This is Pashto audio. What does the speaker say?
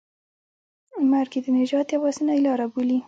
مرګ یې د نجات یوازینۍ لاره بولي.